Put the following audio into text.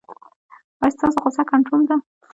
ایا ستاسو غوسه کنټرول ده؟